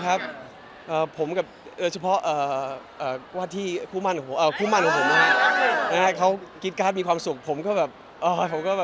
ถ้าเขากินกาลมีความสุขผมก็แบบ